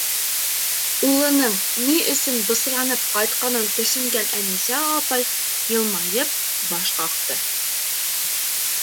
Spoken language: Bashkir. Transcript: Улының ни өсөн бысранып ҡайтҡанын төшөнгән Әнисә апай йылмайып баш ҡаҡты.